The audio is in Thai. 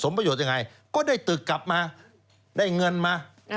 ประโยชน์ยังไงก็ได้ตึกกลับมาได้เงินมา